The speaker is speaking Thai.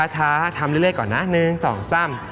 ช้าทำเรื่อยก่อนนะ๑๒๓